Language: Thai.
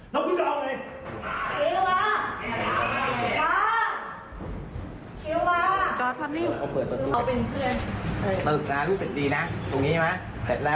ต้องรอออกอะไรวะ